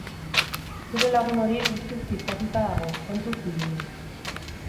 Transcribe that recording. Zure lagun hori guztiz pitzatuta dago, kontuz ibili.